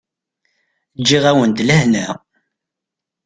Ǧǧiɣ-awen-d lehna.